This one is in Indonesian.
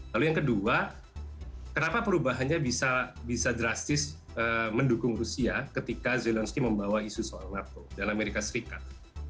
lalu yang kedua kenapa perubahannya bisa drastis mendukung rusia ketika zelensky membawa isu soal nato dan amerika serikat